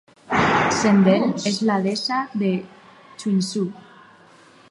Sendell és la deessa de Twinsun.